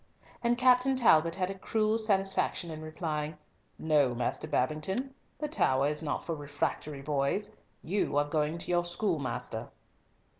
And Captain Talbot had a cruel satisfaction in replying, "No, Master Babington; the Tower is not for refractory boys. You are going to your schoolmaster."